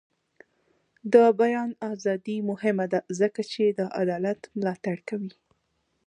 د بیان ازادي مهمه ده ځکه چې د عدالت ملاتړ کوي.